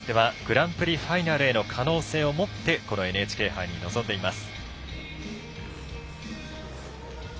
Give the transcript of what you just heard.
ですから、韓国のユ・ヨンにとってはグランプリファイナルへの可能性を持ってこのＮＨＫ杯に臨んでいます。